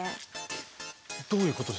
どういうことですか？